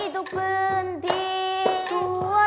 ธรรมดา